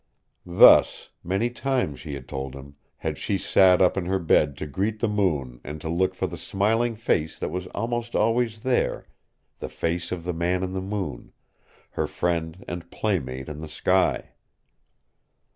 Thus many times, she had told him had she sat up in her bed to greet the moon and to look for the smiling face that was almost always there, the face of the Man in the Moon, her friend and playmate in the sky.